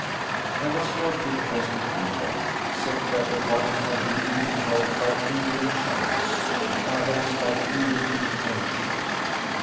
There was no difference between them, except that the one had been impelled by evil chance, the others by evil intention.